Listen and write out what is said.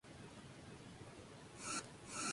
Bodet y el baterista Josh Fenoglio.